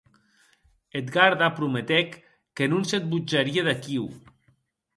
Eth garda prometec que non se botjarie d’aquíu.